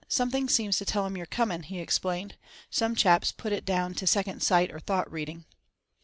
Something seems to tell 'em you're coming," he explained. "Some chaps put it down to second sight or thought reading."